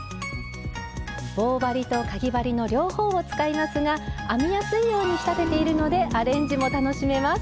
棒針とかぎ針の両方を使いますが編みやすいように仕立てているのでアレンジも楽しめます。